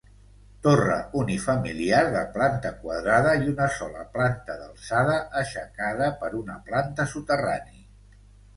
Torre unifamiliar de planta quadrada i una sola planta d'alçada aixecada per una planta soterrani.